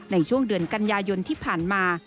ในช่วงเดือนกันยายนที่ผ่านมา